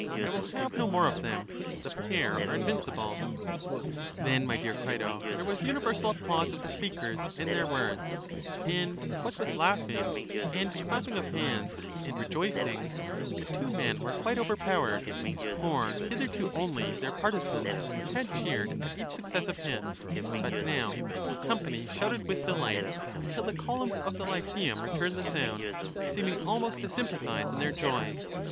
I will have no more of them; the pair are invincible. EUTHYDEMUS 269 Then, my dear Crito, there was universal applause of the speakers and their words, and what with laugh ing and clapping of hands and rejoicings the two men were quite overpowered; for hitherto only their par tisans had cheered at each successive hit, but now the whole company shouted with delight until the columns of the Lyceum returned the sound, seeming almost to sympathize in their joy.